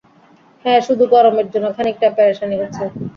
হ্যা, শুধু গরমের জন্য খানিকটা পেরেশানি হচ্ছে।